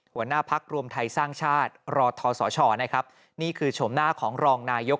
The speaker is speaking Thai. หัวหน้าพักรวมไทยสร้างชาติรอทสชนะครับนี่คือชมหน้าของรองนายก